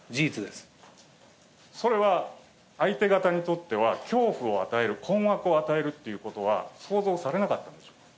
それは相手方にとっては、恐怖を与える、困惑を与えるということは想像されなかったんでしょうか。